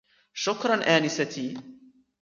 شكرا انستي.